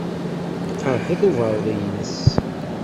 Yeqreḥ-it ubeṛdi-nnes.